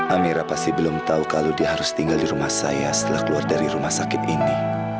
amira pasti belum tahu kalau dia harus tinggal di rumah saya setelah keluar dari rumah sakit ini